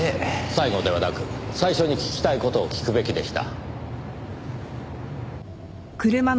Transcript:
最後ではなく最初に聞きたい事を聞くべきでした。